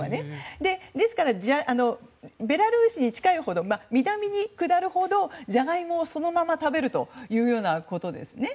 ですからベラルーシに近いほど南に下るほどジャガイモをそのまま食べるということですね。